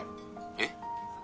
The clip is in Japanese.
えっ？